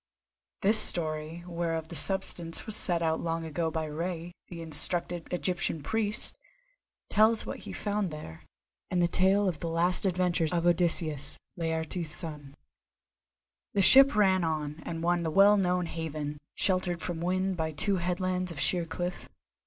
This story, whereof the substance was set out long ago by Rei, the instructed Egyptian priest, tells what he found there, and the tale of the last adventures of Odysseus, Laertes' son. The ship ran on and won the well known haven, sheltered from wind by two headlands of sheer cliff.